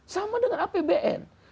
sama dengan apbn